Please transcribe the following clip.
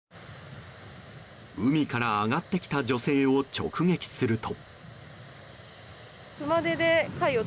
海から上がってきた女性を直撃すると。